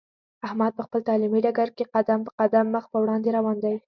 احمد په خپل تعلیمي ډګر کې قدم په قدم مخ په وړاندې روان دی.